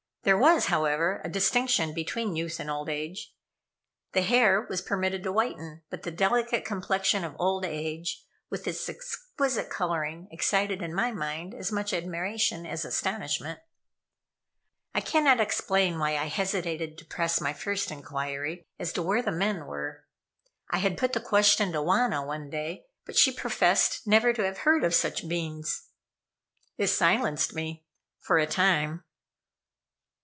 There was, however, a distinction between youth and old age. The hair was permitted to whiten, but the delicate complexion of old age, with its exquisite coloring, excited in my mind as much admiration as astonishment. I cannot explain why I hesitated to press my first inquiry as to where the men were. I had put the question to Wauna one day, but she professed never to have heard of such beings. It silenced me for a time.